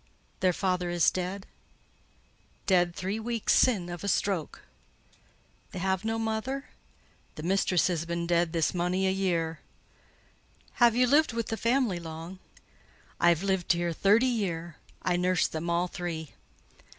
"Their father is dead?" "Dead three weeks sin' of a stroke." "They have no mother?" "The mistress has been dead this mony a year." "Have you lived with the family long?" "I've lived here thirty year. I nursed them all three."